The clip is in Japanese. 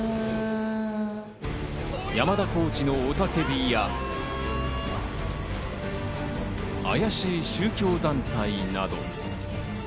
山田コーチの雄たけびや、あやしい宗教団体など。